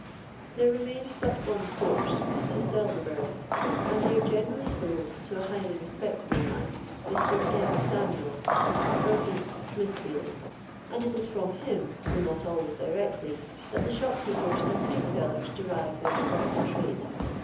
There remains but one course — to sell the birds, and they are generally sold to a highly respectable man, Mr. M. Samuel, of Upper ButSmithfield ; and it is from him, though not always directly, that the shop keepers and street sellers derive their stock in trade.